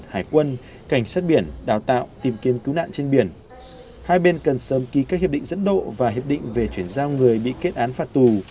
hải quân cảnh sát biển đào tạo tìm kiếm cứu nạn trên biển hai bên cần sớm ký các hiệp định dẫn độ và hiệp định về chuyển giao người bị kết án phạt tù